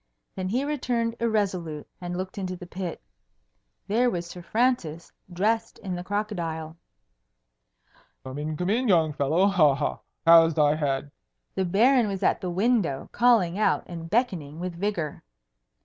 Then he returned irresolute, and looked into the pit. There was Sir Francis, dressed in the crocodile. "Come in, come in, young fellow! Ha! ha! how's thy head?" The Baron was at the window, calling out and beckoning with vigour.